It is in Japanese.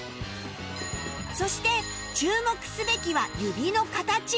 そして注目すべきは指の形